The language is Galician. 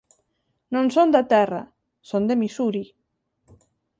Non son da Terra, son de Missouri.